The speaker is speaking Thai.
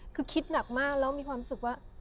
คือคิดหนักมากแล้วมีความรู้สึกว่า